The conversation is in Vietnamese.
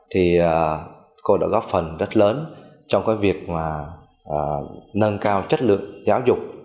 thì cô đã góp phần rất lớn trong cái việc mà nâng cao chất lượng giáo dục